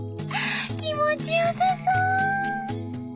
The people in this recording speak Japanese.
気持ちよさそう！